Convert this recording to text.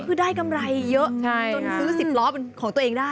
ก็คือได้กำไรเยอะ